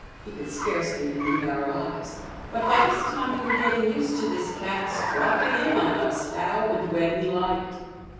We could scarcely believe our eyes, but by this time we were getting used to this cat's "dropping in on us" how and when he liked.